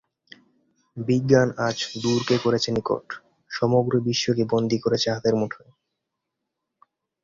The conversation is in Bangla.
বিজ্ঞান আজ দূরকে করেছে নিকট, সমগ্র বিশ্বকে বন্দী করেছে হাতের মুঠোয়।